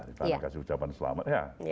terima kasih ucapan selamat